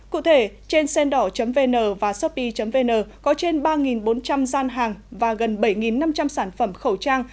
cụ thể trên sendor vn và shopee vn có trên ba bốn trăm linh gian hàng và gần bảy năm trăm linh sản phẩm khẩu trang